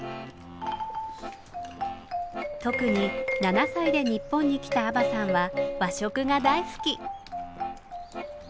特に７歳で日本に来たアバさんは和食が大好き。